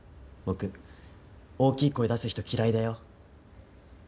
僕大きい声出す人嫌いだよ。